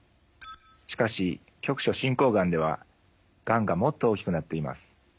しかし局所進行がんではがんがもっと大きくなっています。